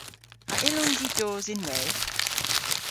A yllons i dos ynwedh?